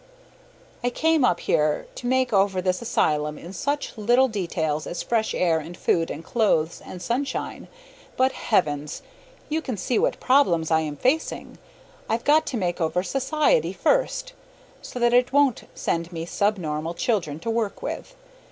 I came up here to make over this asylum in such little details as fresh air and food and clothes and sunshine, but, heavens! you can see what problems I am facing. I've got to make over society first, so that it won't send me sub normal children to work with.